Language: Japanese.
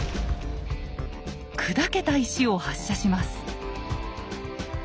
砕けた石を発射します。